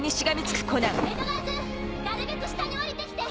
江戸川君なるべく下に下りてきて。